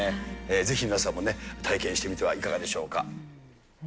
ぜひ皆さんもね、体験してみてはいかがでしょうか。